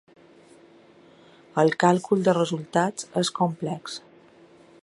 El càlcul de resultats és complex.